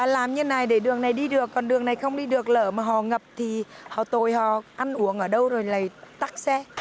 làm như này để đường này đi được còn đường này không đi được lở mà họ ngập thì họ tồi họ ăn uống ở đâu rồi lại tắt xe